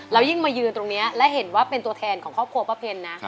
แล้วยิ่งมายืนตรงนี้และเห็นว่าเป็นตัวแทนของครอบครัวป้าเพ็ญนะ